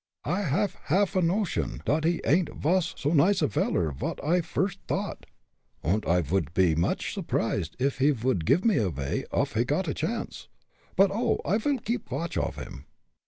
I have haff a notion dot he ain'd vos so nice a veller vot I firsd t'ought, und I vouldn't pe much surprised if he vould give me avay off he got a chance. But, oh! I'll keep watch of him!